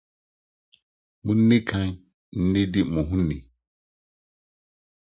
Munni kan nnidi mo ho ni....